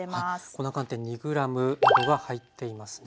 粉寒天２ｇなどが入っていますね。